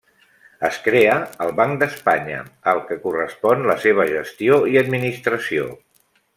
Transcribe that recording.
Es crea al Banc d'Espanya, al que correspon la seva gestió i administració.